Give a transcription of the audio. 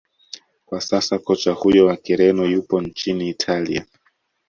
kwa sasa kocha huyo wa kireno yupo nchini italia